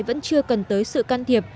vẫn chưa cần tới sự can thiệp